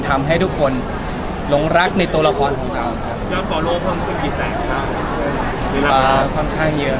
ทำให้ทุกคนหลงรักในตัวละครของเราครับเวลาค่อนข้างเยอะ